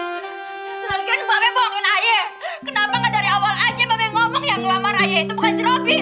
kenapa nggak dari awal aja mbak me ngomong yang ngelamar ayah itu bukan si robby